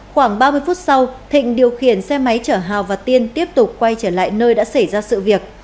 khoảng ba mươi phút sau thịnh điều khiển xe máy chở hảo và tiên tiếp tục quay trở lại nơi đã xảy ra sự việc